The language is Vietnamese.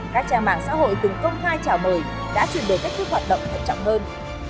các trang mạng xã hội từng công khai trả mời đã truyền được cách thức hoạt động thật trọng hơn